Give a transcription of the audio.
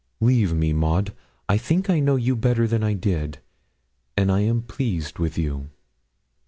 Leave me, Maud. I think I know you better than I did, and I am pleased with you.